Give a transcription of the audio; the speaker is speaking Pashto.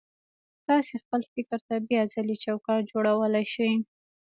تاسې خپل فکر ته بيا ځلې چوکاټ جوړولای شئ.